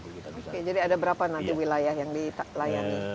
oke jadi ada berapa nanti wilayah yang dilayani